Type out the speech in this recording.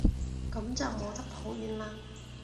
噉就冇得抱怨喇